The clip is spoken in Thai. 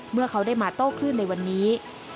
เมื่อเขาได้มาโต้คลื่นในวันนี้